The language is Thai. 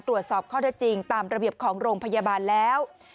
ตรวจสอบข้อได้จริงตามระเบียบของโรงพยาบาลแล้ว